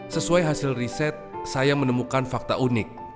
sesuai hasil riset saya menemukan fakta unik